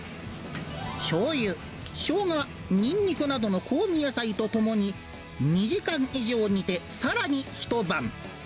しょうゆ、ショウガ、ニンニクなどの香味野菜とともに、２時間以上煮てさらに一晩。